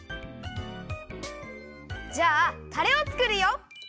じゃあタレをつくるよ！